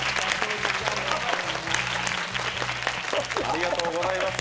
ありがとうございます